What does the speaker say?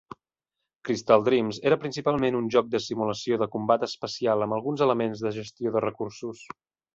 Crystal Dreams era principalment un joc de simulació de combat espacial amb alguns elements de gestió de recursos.